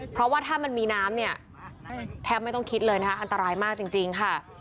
เพราะว่าถ้ามันมีน้ำเนี่ยแทบไม่ต้องคิดเลยนะคะอันตรายมากจริงค่ะ